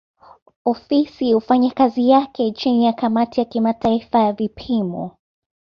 Ofisi hufanya kazi yake chini ya kamati ya kimataifa ya vipimo.